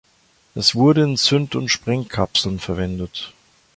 Es wurde in Zünd- und Sprengkapseln verwendet.